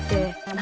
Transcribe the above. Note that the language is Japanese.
何？